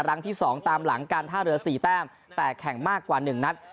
ครั้งที่๒ตามหลังการท่าเรือ๔แต้มแต่แข่งมากกว่า๑นัด